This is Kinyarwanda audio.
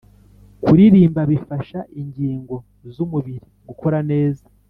kuririmba bifasha ingigo zumubiri gukora neza